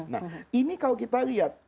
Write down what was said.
nah ini kalau kita lihat